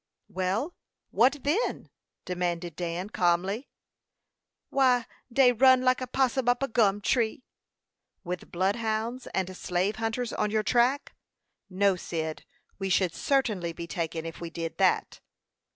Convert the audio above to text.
"Well, what then?" demanded Dan, calmly. "Why, den run like a possum up a gum tree." "With bloodhounds and slave hunters on your track. No, Cyd; we should certainly be taken if we did that."